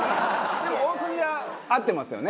でも大筋は合ってますよね？